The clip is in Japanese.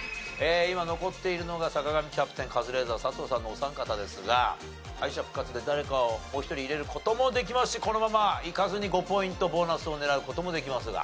今残っているのが坂上キャプテンカズレーザー佐藤さんのお三方ですが敗者復活で誰かをもう１人入れる事もできますしこのままいかずに５ポイントボーナスを狙う事もできますが。